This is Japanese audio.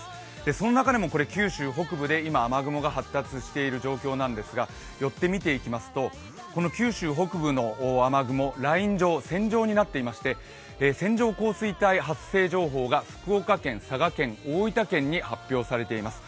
その中でも九州北部で今、雨雲が発達している状況なんですが寄ってみていきますと九州北部の雨雲ライン状、線状になっていまして線状降水帯発生情報が福岡県、佐賀県、大分県に発表されています。